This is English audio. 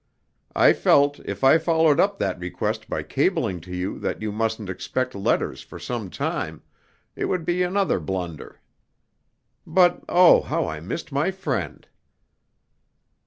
I felt, if I followed up that request by cabling to you that you mustn't expect letters for some time, it would be another blunder. But oh, how I missed my friend!